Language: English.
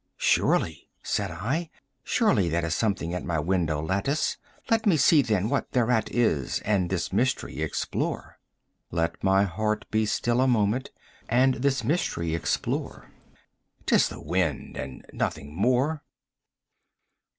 "Surely," said I, "surely that is something at my window lattice; Let me see, then, what thereat is, and this mystery explore; Let my heart be still a moment and this mystery explore: 35 'T is the wind and nothing more."